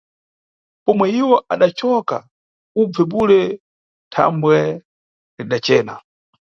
Pomwe iwo adacosa ubve bule thambwe lidacena.